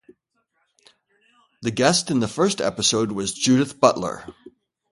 The guest in the first episode was Judith Butler.